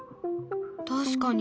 確かに。